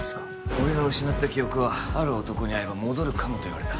俺の失った記憶はある男に会えば戻るかもと言われた。